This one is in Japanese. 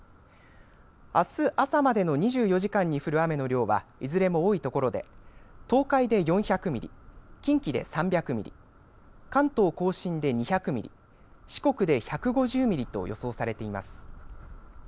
あす朝までの２４時間に降る雨の量はいずれも多いところで東海で４００ミリ、近畿で３００ミリ、関東甲信で２００ミリ、四国で１５０ミリと予想されています。